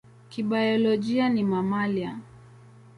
Kibiolojia ni mamalia.